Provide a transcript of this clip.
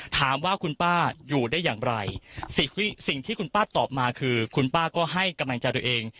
ถามว่าคุณป้าอยู่ได้อย่างไรสิ่งที่คุณป้าตอบมาคือคุณป้าก็ให้กำลังใจตัวเอง